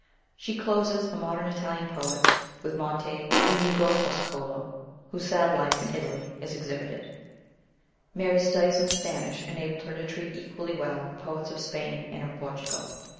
She closes the modern Italian poets with Monti and Ugo Foscolo, whose sad life in London is exhibited. Mary's studies in Spanish enabled her to treat equally well the poets of Spain and of Portugal.